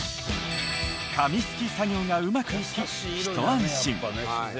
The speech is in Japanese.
紙漉き作業がうまくいきひと安心。